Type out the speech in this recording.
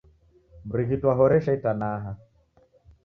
Mrighiti wahoresha itanaha